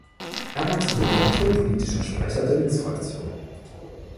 Er war zudem kulturpolitischer Sprecher der Linksfraktion.